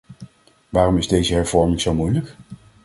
Waarom is deze hervorming zo moeilijk?